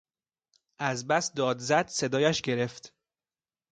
از بس داد زد صدایش گرفت.